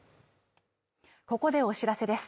ここでお知らせです